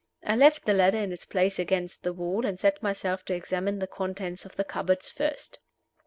I left the ladder in its place against the wall, and set myself to examine the contents of the cupboards first.